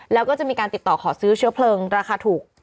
แล้วก็จะมีการติดต่อขอซื้อเชื้อเพลิงราคาถูก